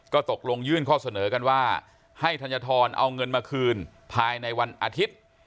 ก็ตกลงยื่นข้อเสนอกันว่าให้ธัญฑรเอาเงินมาคืนภายในวันอาทิตย์